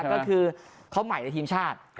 ก็คือเขาใหม่ในทีมชาติ